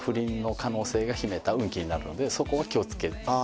そこは気を付けて。